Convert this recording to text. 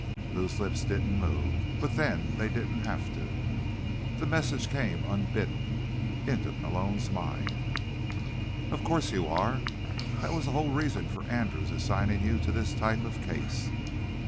Lou's lips didn't move. But then, they didn't have to. The message came, unbidden, into Malone's mind. _Of course you are. That was the whole reason for Andrew's assigning you to this type of case.